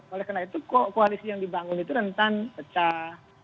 oleh karena itu koalisi yang dibangun itu rentan pecah